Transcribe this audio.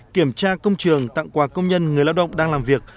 kiểm tra công trường tặng quà công nhân người lao động đang làm việc